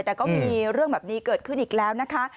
แต่ก็มีเรื่องแบบนี้เกิดขึ้นอีกแล้วนะคะ